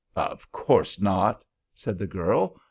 "Of course not," said the girl.